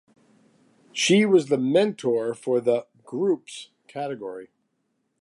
She was the mentor for the "Groups" category.